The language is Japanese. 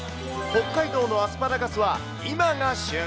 北海道のアスパラガスは、今が旬。